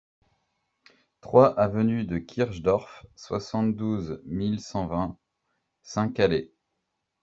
trois avenue de Kirch Dorf, soixante-douze mille cent vingt Saint-Calais